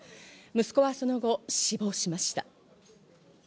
息子はその後、死亡しました。